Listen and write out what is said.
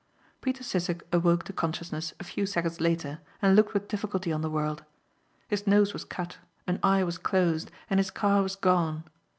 Peter Sissek awoke to consciousness a few seconds later and looked with difficulty on the world. His nose was cut, an eye was closed and his car was gone.